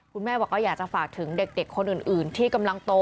คุณแม่บอกว่าอยากจะฝากถึงเด็กคนอื่นที่กำลังโต